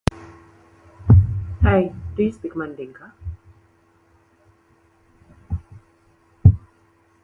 His evident sincerity, his genuine enthusiasm, gave him his marvellous ascendancy.